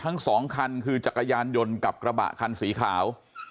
ทั้งสองคันคือจักรยานยนต์กับกระบะคันสีขาว